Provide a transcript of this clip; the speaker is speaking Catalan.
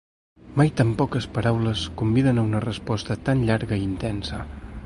Mai tan poques paraules conviden a una resposta tan llarga i intensa.